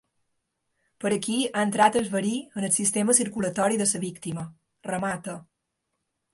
Per aquí ha entrat el verí al sistema circulatori de la víctima — remata.